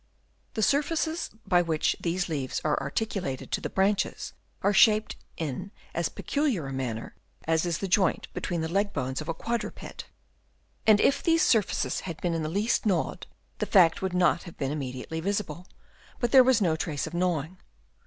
The surfaces by which these leaves are articu lated to the branches are shaped in as pecu liar a manner as is the joint between the leg bones of a quadruped ; and if these surfaces had been in the least gnawed, the fact would have been immediately visible, but there was no trace of gnawing.